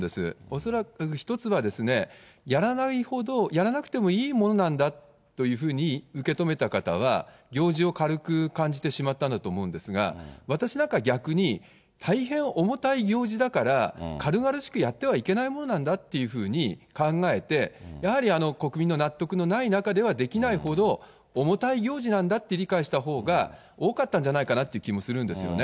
恐らく、１つは、やらないほど、やらなくてもいいものなんだというふうに受け止めた方は、行事を軽く感じてしまったんだと思うんですが、私なんか逆に、大変重たい行事だから、軽々しくやってはいけないものなんだっていうふうに考えて、やはり国民の納得のない中ではできないほど重たい行事なんだって理解したほうが多かったんじゃないかなという気もするんですよね。